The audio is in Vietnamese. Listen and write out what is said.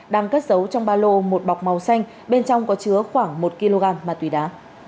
đang cất giấu trong ba lô một bọc màu xanh bên trong có chứa khoảng một kg ma túy đá